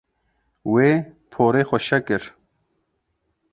Wê porê xwe şeh kir.